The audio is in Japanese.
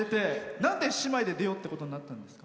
なんで姉妹で出ようって思ったんですか？